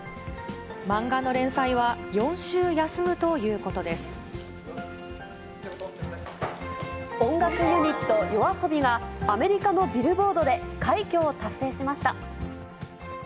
漫画の連載は、４週休むとい音楽ユニット、ＹＯＡＳＯＢＩがアメリカのビルボードで快挙を達成しました。